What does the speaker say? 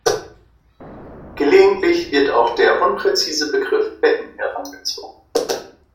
Gelegentlich wird auch der unpräzise Begriff Becken herangezogen.